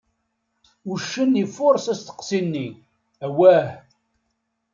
Uccen ifuṛes asteqsi-nni: Awah!